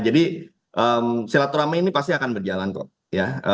jadi silaturahmi ini pasti akan berjalan kok ya